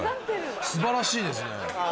素晴らしいですね。